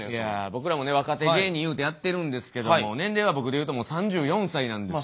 僕らもね若手芸人言うてやってるんですけども年齢は僕で言うともう３４歳なんですよ。